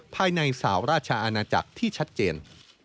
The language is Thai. ภายในสาวราชอาณาจักรที่ชัดเจน